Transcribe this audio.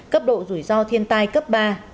cấp độ rủi ro thiên tai cấp ba